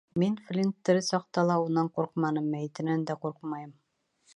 Мин Флинт тере саҡта ла унан ҡурҡманым, мәйетенән дә ҡурҡмайым.